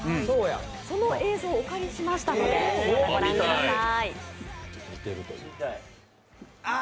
その映像をお借りしましたのでご覧ください。